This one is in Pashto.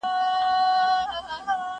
نه مخ گوري د نړۍ د پاچاهانو